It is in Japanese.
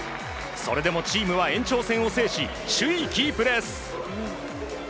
それでもチームは延長戦を制し首位キープです。